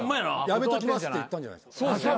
やめときますって言ったんじゃないですか？